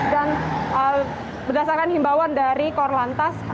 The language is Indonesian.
dan berdasarkan himbauan dari kor lantas